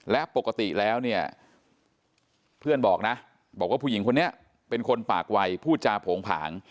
และปกติแล้วเนี่ยเพื่อนบอกนะบอกว่าผู้หญิงคนนี้เป็นคนปากวัยพูดจาโผงผาง